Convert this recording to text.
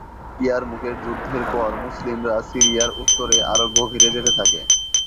ইয়ারমুকের যুদ্ধের পর মুসলিমরা সিরিয়ার উত্তরে আরো গভীরে যেতে থাকে।